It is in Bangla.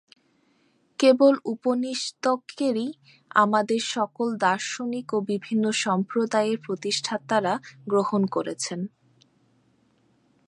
কেবল উপনিষদকেই আমাদের সকল দার্শনিক ও বিভিন্ন সম্প্রদায়ের প্রতিষ্ঠাতারা গ্রহণ করেছেন।